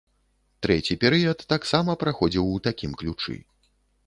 Трэці перыяд таксама праходзіў у такім ключы.